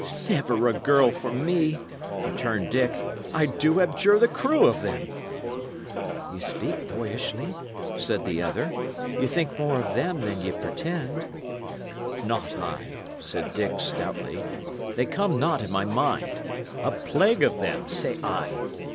"Never a girl for me," returned Dick. "I do abjure the crew of them!" "Ye speak boyishly," said the other. "Ye think more of them than ye pretend." "Not I," said Dick, stoutly. "They come not in my mind. A plague of them, say I!